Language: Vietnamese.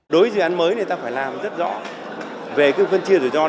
đối với dự án mới thì ta phải làm rất rõ về phân chia rủi ro